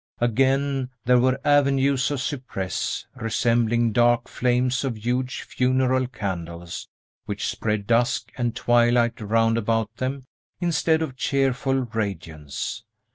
Again, there were avenues of cypress, resembling dark flames of huge funeral candles, which spread dusk and twilight round about them instead of cheerful radiance.